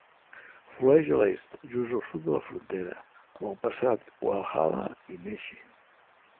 Flueix a l'est, just al sud de la frontera, amb el passat Walhalla i Neche.